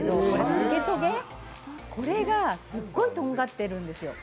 トゲトゲ、これがすっごいとんがってるんですよ。